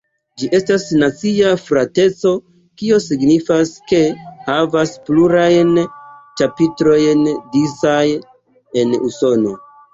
Ĝi estas nacia frateco, kio signifas ke havas plurajn ĉapitrojn disaj en Usono.